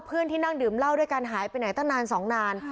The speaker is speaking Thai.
เพื่อนที่นั่งดื่มเหล้าด้วยกันหายไปไหนตั้งนานสองนาน